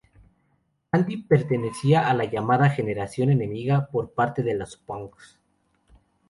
Andy pertenecía a la llamada "generación enemiga" por parte de los punks.